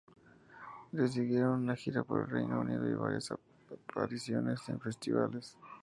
Les siguieron una gira por el Reino Unido y varias apariciones en festivales.